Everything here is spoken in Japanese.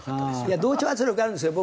いや同調圧力はあるんですよ。